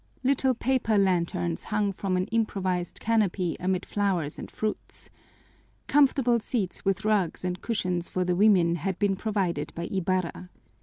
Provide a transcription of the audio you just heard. Little paper lanterns hung from an improvised canopy amid flowers and fruits. Comfortable seats with rugs and cushions for the women had been provided by Ibarra.